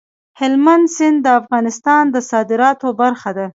هلمند سیند د افغانستان د صادراتو برخه ده.